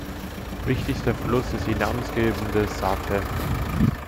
Wichtigster Fluss ist die namensgebende Sarthe.